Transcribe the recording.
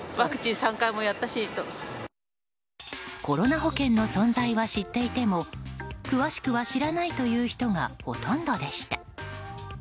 コロナ保険の存在は知っていても詳しくは知らないという人がほとんどでした。